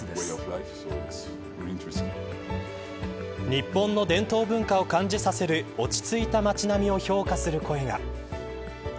日本の伝統文化を感じさせる落ち着いた町並みを評価する声が。